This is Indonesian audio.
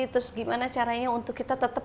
terus gimana caranya untuk kita tetap